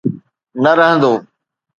نه رهندو.